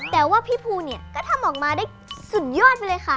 แต่ว่าพี่ภูเนี่ยก็ทำออกมาได้สุดยอดไปเลยค่ะ